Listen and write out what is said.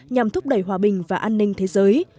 nhằm thúc đẩy hòa bình và an ninh thế giới